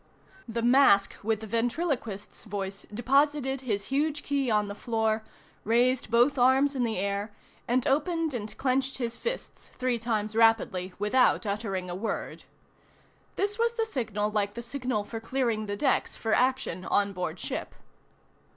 The mask with the ventriloquist's voice deposited his huge key on the floor, raised both arms in the air, and opened and clenched his fists, three times rapidly without uttering a word. This was the signal like the signal for clearing the decks for action on board ship.